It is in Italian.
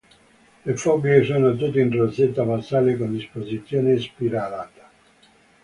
Le foglie sono tutte in rosetta basale con disposizione spiralata.